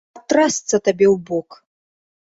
А трасца табе ў бок!